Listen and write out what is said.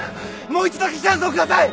もう一度だけチャンスを下さい！